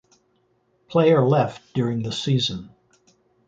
Player left during the season